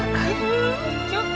bukannya kamu sudah berubah